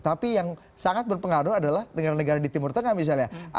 tapi yang sangat berpengaruh adalah dengan negara di timur tengah misalnya